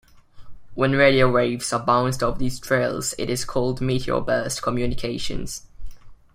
When radio waves are bounced off these trails, it is called meteor burst communications.